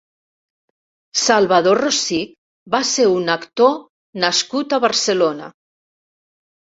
Salvador Rosich va ser un actor nascut a Barcelona.